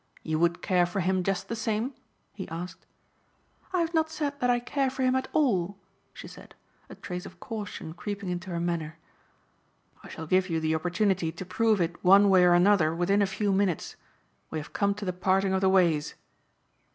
"You would care for him just the same?" he asked. "I have not said that I care for him at all," she said, a trace of caution creeping into her manner. "I shall give you the opportunity to prove it one way or another within a few minutes. We have come to the parting of the ways."